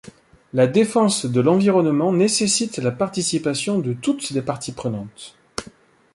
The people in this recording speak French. La défense de l'environnement nécessite la participation de toutes les parties prenantes.